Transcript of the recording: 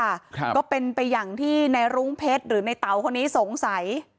ครับก็เป็นไปอย่างที่ในรุ้งเพชรหรือในเต๋าคนนี้สงสัย